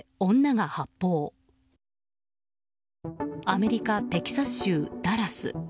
アメリカ・テキサス州ダラス。